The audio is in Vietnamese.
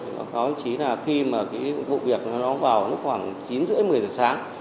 báo cáo đồng chí là khi mà cái vụ việc nó vào nó khoảng chín h ba mươi một mươi h sáng